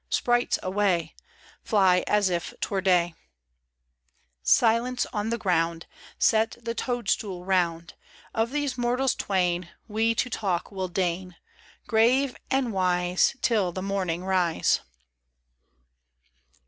Sprites, awayl Fly as if 'twere day !Silence ! on the ground Set the toadstool round. Of these mortals twain We to talk will deign, Grave and wise, Till the morning rise.